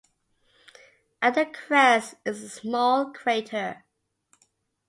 At the crest is a small crater.